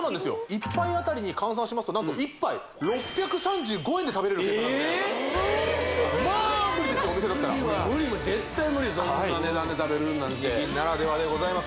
１杯あたりに換算しますと何と１杯６３５円で食べられる計算なんでまあ無理ですお店だったら無理無理絶対無理そんな値段で食べるなんてキニ金ならではございます